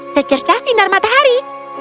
secerca sinar matahari